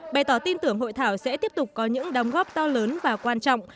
bày tỏ tin tưởng hội thảo sẽ tiếp tục có những đóng góp to lớn và quan trọng